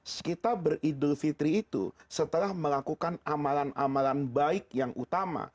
kita beridul fitri itu setelah melakukan amalan amalan baik yang utama